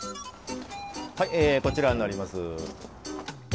はいこちらになります。